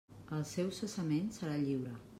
El seu cessament serà lliure.